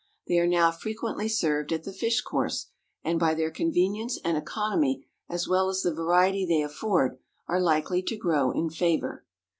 They are now frequently served at the fish course, and by their convenience and economy, as well as the variety they afford, are likely to grow in favor.